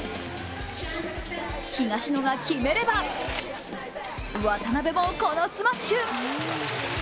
東野が決めれば、渡辺もこのスマッシュ。